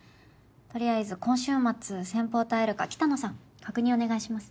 とりあえず今週末先方と会えるか北野さん確認お願いします。